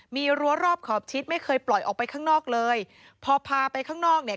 มีรั้วรอบขอบชิดไม่เคยปล่อยออกไปข้างนอกเลยพอพาไปข้างนอกเนี่ย